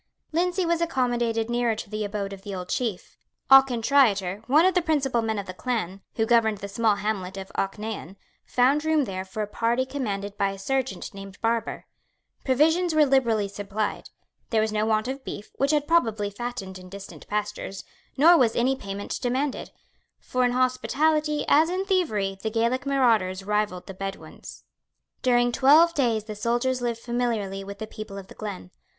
Lindsay was accommodated nearer to the abode of the old chief. Auchintriater, one of the principal men of the clan, who governed the small hamlet of Auchnaion, found room there for a party commanded by a serjeant named Barbour. Provisions were liberally supplied. There was no want of beef, which had probably fattened in distant pastures; nor was any payment demanded; for in hospitality, as in thievery, the Gaelic marauders rivalled the Bedouins. During twelve days the soldiers lived familiarly with the people of the glen.